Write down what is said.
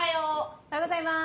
おはようございます。